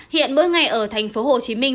hiện mỗi ngày ở thành phố hồ chí minh